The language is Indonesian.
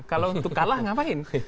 kalau untuk kalah ngapain